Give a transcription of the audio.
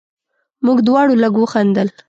موږ دواړو لږ وخندل.